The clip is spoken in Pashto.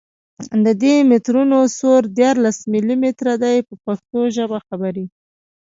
د دي مترونو سور دیارلس ملي متره دی په پښتو ژبه خبرې.